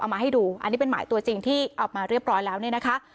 มาให้ดูอันนี้เป็นหมายตัวจริงที่ออกมาเรียบร้อยแล้วเนี่ยนะคะ